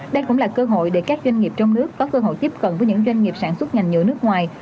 đây cũng là cơ hội để các doanh nghiệp trong nước có cơ hội tiếp cận với những doanh nghiệp sản xuất ngành nhựa nước ngoài